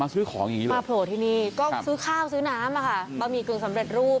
ซื้อของอย่างนี้มาโผล่ที่นี่ก็ซื้อข้าวซื้อน้ำบะหมี่กึ่งสำเร็จรูป